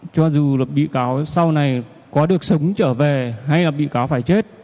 cho dù là bị cáo sau này có được sống trở về hay là bị cáo phải chết